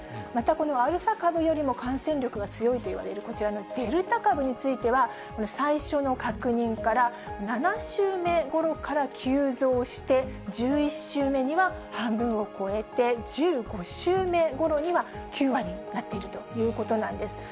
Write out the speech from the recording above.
また、このアルファ株よりも感染力が強いといわれる、こちらのデルタ株については、最初の確認から７週目ごろから急増して、１１週目には半分を超えて、１５週目ごろには９割になっているということなんです。